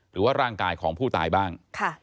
หรือว่าร่างกายของผู้ตายบ้าง